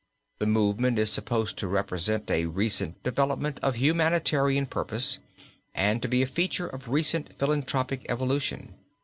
The movement is supposed to represent a recent development of humanitarian purpose, and to be a feature of recent philanthropic evolution.